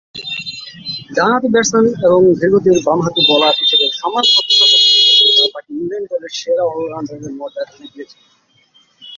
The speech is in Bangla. ডানহাতি ব্যাটসম্যান এবং ধীরগতির বামহাতি বোলার হিসেবে সমান দক্ষতা প্রদর্শন করেন যা তাকে ইংল্যান্ড দলের সেরা অল-রাউন্ডারের মর্যাদা এনে দিয়েছে।